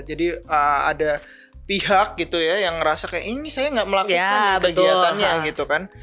jadi ada pihak gitu ya yang ngerasa kayak ini saya nggak melakukan kegiatannya gitu kan